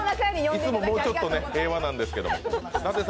いつももうちょっと平和なんですけど。